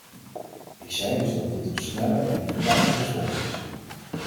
Ik zei dus dat dit een snelle en intacte respons is.